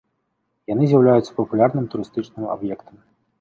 Яны з'яўляюцца папулярным турыстычным аб'ектам.